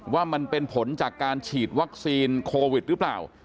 ว่ามันเป็นผลจากการฉีดวัคซีนโควิดหรือเปล่า